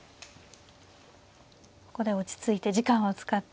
ここで落ち着いて時間を使って。